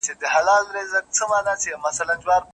لارښود د شاګرد لیکنه ګوري.